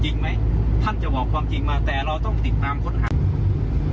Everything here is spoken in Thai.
จริงไหมท่านจะบอกความจริงมาแต่เราต้องติดตามค้นหา